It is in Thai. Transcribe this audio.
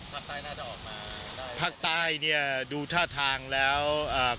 ภาคใต้น่าจะออกมาได้ภาคใต้เนี้ยดูท่าทางแล้วอ่า